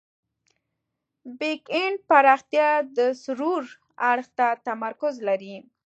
بیک اینډ پراختیا د سرور اړخ ته تمرکز لري.